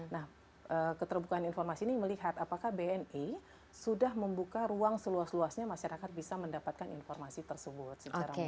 nah keterbukaan informasi ini melihat apakah bni sudah membuka ruang seluas luasnya masyarakat bisa mendapatkan informasi tersebut